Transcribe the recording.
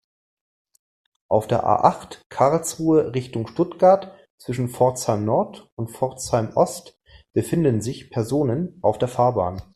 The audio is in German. Auf der A-acht, Karlsruhe Richtung Stuttgart, zwischen Pforzheim-Nord und Pforzheim-Ost befinden sich Personen auf der Fahrbahn.